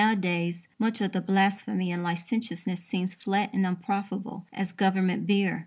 Nowadays, much of the blasphemy and licentiousness seems flat and unprofitable as Government beer.